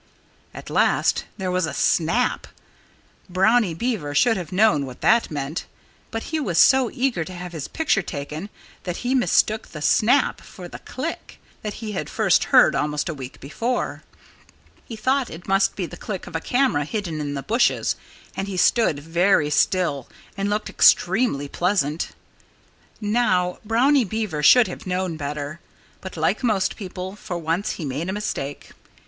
At last there was a snap! Brownie Beaver should have known what that meant. But he was so eager to have his picture taken that he mistook the snap for the click that he had first heard almost a week before. He thought it must be the click of a camera hidden in the bushes. And he stood very still and looked extremely pleasant. Now, Brownie Beaver should have known better. But like most people, for once he made a mistake.